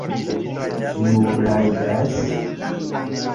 Kiu rajdas?